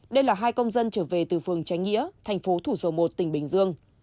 đây là hai công dân trở về từ phường tránh nghĩa thành phố thủ dầu một tỉnh bình dương